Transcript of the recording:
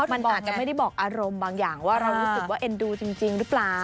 มันอาจจะไม่ได้บอกอารมณ์บางอย่างว่าเรารู้สึกว่าเอ็นดูจริงหรือเปล่า